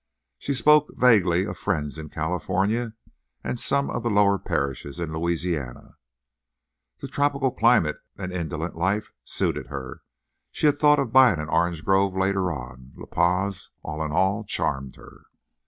She spoke, vaguely, of friends in California and some of the lower parishes in Louisiana. The tropical climate and indolent life suited her; she had thought of buying an orange grove later on; La Paz, all in all, charmed her.